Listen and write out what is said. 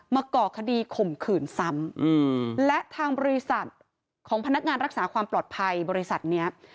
ก่อคดีข่มขืนซ้ำและทางบริษัทของพนักงานรักษาความปลอดภัยบริษัทเนี้ย